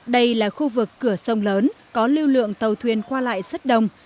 đây là khu vực cửa sông lớn có lưu lượng tàu thuyền qua lại rất đông